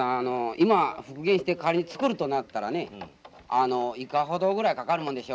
今復元して仮に作るとなったらねあのいかほどぐらいかかるもんでしょうか？